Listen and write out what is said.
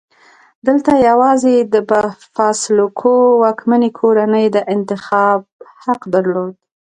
دلته یوازې د فاسولوکو واکمنې کورنۍ د انتخاب حق درلود.